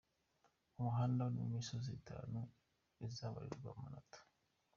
Umuhanda urimo imisozi itanu izabarirwa amanota.